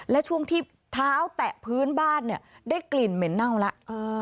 และช่วงที่เท้าแตะพื้นบ้านเนี่ยได้กลิ่นเหม็นเน่าแล้ว